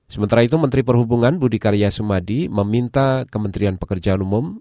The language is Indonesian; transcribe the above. sementara itu menteri perhubungan budi karya sumadi meminta kementerian pekerjaan umum